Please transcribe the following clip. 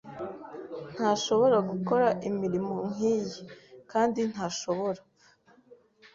Ntashobora gukora imirimo nkiyi, kandi ntashobora.